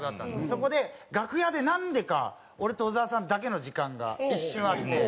そこで楽屋でなんでか俺と小沢さんだけの時間が一瞬あって。